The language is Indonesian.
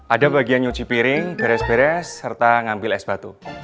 ada bagian nyuci piring beres beres serta ngambil es batu